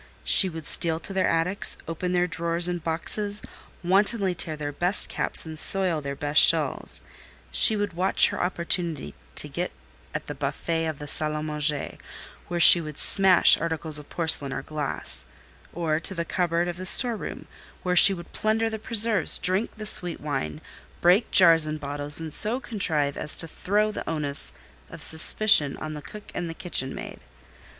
She would steal to their attics, open their drawers and boxes, wantonly tear their best caps and soil their best shawls; she would watch her opportunity to get at the buffet of the salle à manger, where she would smash articles of porcelain or glass—or to the cupboard of the storeroom, where she would plunder the preserves, drink the sweet wine, break jars and bottles, and so contrive as to throw the onus of suspicion on the cook and the kitchen maid.